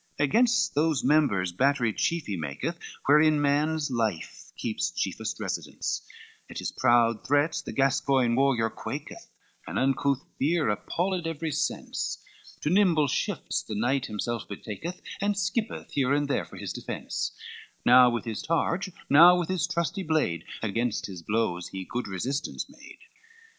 XXXIX Against those members battery chief he maketh, Wherein man's life keeps chiefest residence; At his proud threats the Gascoign warrior quaketh, And uncouth fear appalled every sense, To nimble shifts the knight himself betaketh, And skippeth here and there for his defence: Now with his rage, now with his trusty blade, Against his blows he good resistance made.